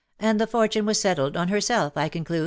" And the fortune was settled on herself, I conclude T' VOL.